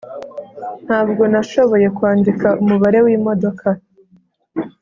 ] ntabwo nashoboye kwandika umubare wimodoka.